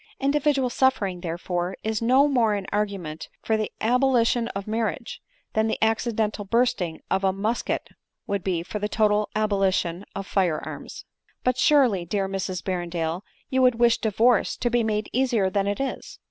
Individual suffering, therefore, is no more an argu ment for the abolition of marriage, than the accidental bursting of a musket would be for the total abolition of fire arms." " But, surely, dear Mrs Berrendale, you would wish divorce to be made easier than it is?"